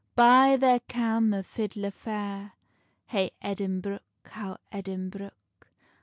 Bye there cam a fiddler fair, Hey Edinbruch, how Edinbruch.